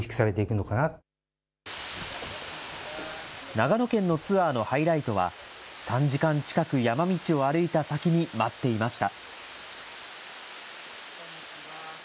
長野県のツアーのハイライトは、３時間近く山道を歩いた先に待っていました。